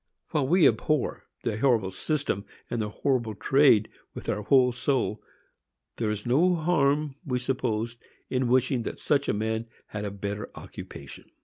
While we abhor the horrible system and the horrible trade with our whole soul, there is no harm, we suppose, in wishing that such a man had a better occupation.